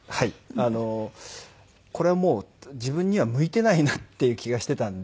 あのこれはもう自分には向いてないなっていう気がしてたんで。